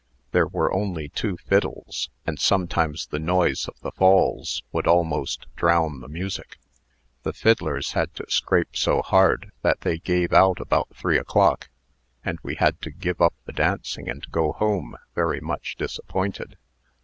There were only two fiddles, and sometimes the noise of the Falls would almost drown the music. The fiddlers had to scrape so hard, that they gave out about three o'clock, and we had to give up the dancing, and go home, very much disappointed."